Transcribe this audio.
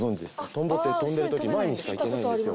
トンボって飛んでる時前にしか行けないんですよ。